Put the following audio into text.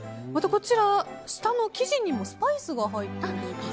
こちら、下の生地にもスパイスが入っていると。